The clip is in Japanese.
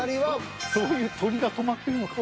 そういう鳥が止まってるのかと。